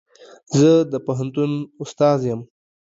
زه د پوهنتون استاد يم.